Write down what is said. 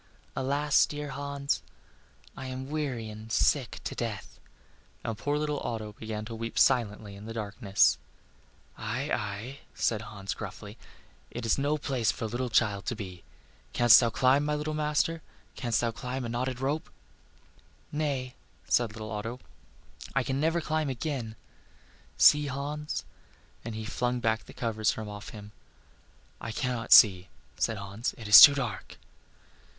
Alas, dear Hans! I am weary and sick to death." And poor little Otto began to weep silently in the darkness. "Aye, aye," said Hans, gruffly, "it is no place for a little child to be. Canst thou climb, my little master? canst thou climb a knotted rope?" "Nay," said Otto, "I can never climb again! See, Hans;" and he flung back the covers from off him. "I cannot see," said Hans, "it is too dark."